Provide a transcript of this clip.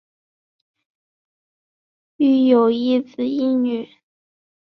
育有一子一女。